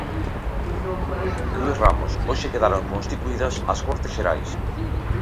Luís Ramos, hoxe quedaron constituídas as Cortes Xerais...